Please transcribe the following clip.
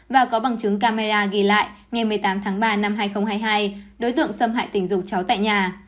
và có bằng chứng camera ghi lại ngày một mươi tám tháng ba năm hai nghìn hai mươi hai đối tượng xâm hại tình dục cháu tại nhà